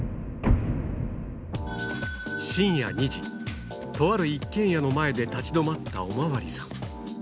深夜２時、とある一軒家の前で立ち止まったお巡りさん。